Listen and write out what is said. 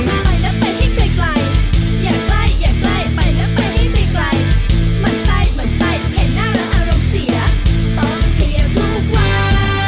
ไปแล้วไปให้ใกล้มันใกล้มันใกล้